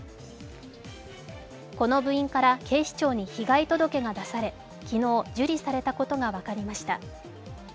この部員から警視庁に被害届が出され昨日、受理されたことが分かりました。